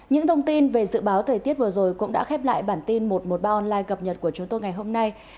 những thông tin về dự báo thời tiết vừa rồi cũng đã khép lại bản tin một trăm một mươi ba online cập nhật của chúng tôi ngày hôm nay